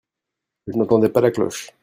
je n'entendais pas la cloche.